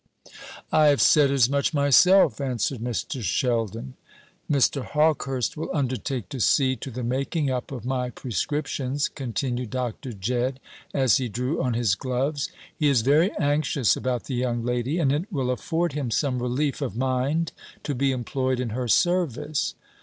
"I have said as much myself," answered Mr. Sheldon. "Mr. Hawkehurst will undertake to see to the making up of my prescriptions," continued Dr. Jedd, as he drew on his gloves. "He is very anxious about the young lady, and it will afford him some relief of mind to be employed in her service.